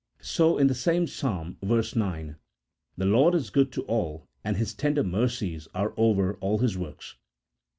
So in the same Psalm, verse 9, " The Lord is good to all, and His tender mercies are over all His works."